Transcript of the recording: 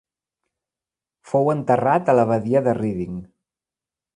Fou enterrat a l'abadia de Reading.